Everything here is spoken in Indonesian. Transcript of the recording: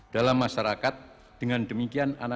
dalam masyarakat dengan demikian